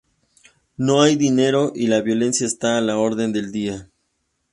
No hay dinero y la violencia está a la orden del día.